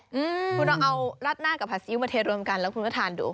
อืมคุณเอาราดหน้ากับผัดซีอิ๊วมาเทรวมกันแล้วคุณก็ทานดู